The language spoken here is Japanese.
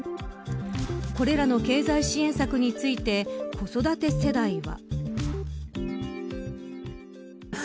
これらの経済支援策について子育て世代は。